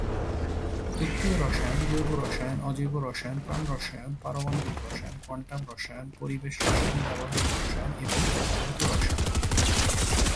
তত্বীয় রসায়ন, জৈব রসায়ন, অজৈব রসায়ন, প্রাণ রসায়ন, পারমাণবিক রসায়ন, কোয়ান্টাম রসায়ন, পরিবেশ রসায়ন, ব্যবহারিক রসায়ন এবং ভৌত রসায়ন।